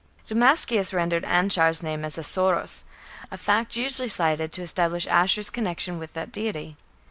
Damascius rendered Anshar's name as "Assōros", a fact usually cited to establish Ashur's connection with that deity.